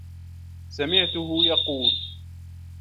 سَمِعْتُهُ يَقُولُ